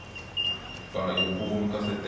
横を向かせて。